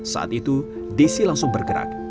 saat itu desi langsung bergerak